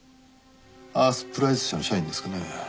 アースプライズ社の社員ですかね？